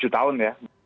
tujuh tahun ya